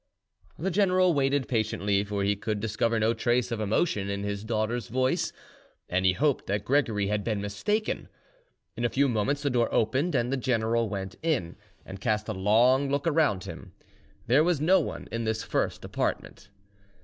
The general waited patiently, for he could discover no trace of emotion in his daughter's voice, and he hoped that Gregory had been mistaken. In a few moments the door opened, and the general went in, and cast a long look around him; there was no one in this first apartment.